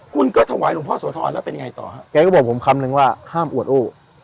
คุณก็ถวายหลวงพ่อโสธรแล้วเป็นไงต่อฮะแกก็บอกผมคำนึงว่าห้ามอวดโอ้